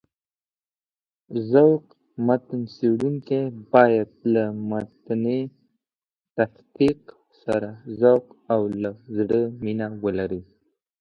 ذوق متن څېړونکی باید له متني تحقيق سره ذوق او له زړه مينه ولري.